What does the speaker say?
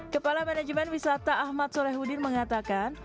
kepala manajemen wisata ahmad solehudin mengatakan